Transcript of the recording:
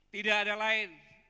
tidak ada lain